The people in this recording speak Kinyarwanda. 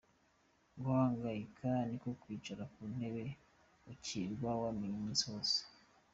Guhangayika ni nko kwicara mu ntebe ukirirwa wegamye umunsi wose.